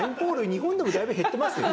日本でもだいぶ減ってますよ。